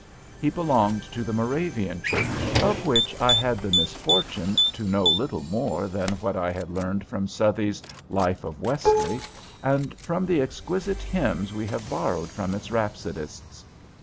He belonged to the Moravian Church, of which I had the misfortune to know little more than what I had learned from Southey's "Life of Wesley." and from the exquisite hymns we have borrowed from its rhapsodists.